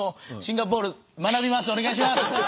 お願いします！